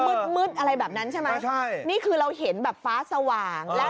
มืดมืดอะไรแบบนั้นใช่ไหมใช่นี่คือเราเห็นแบบฟ้าสว่างแล้ว